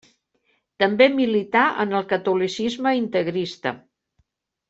També milità en el catolicisme integrista.